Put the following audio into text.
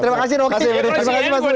terima kasih dokter